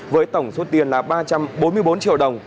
với tổng số tiền là ba trăm bốn mươi bốn triệu đồng